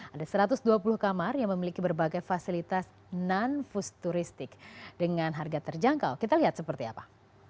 ada satu ratus dua puluh kamar yang memiliki berbagai fasilitas non futuristik dengan harga terjangkau kita lihat seperti apa